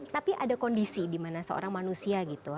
tapi ada kondisi dimana seorang manusia gitu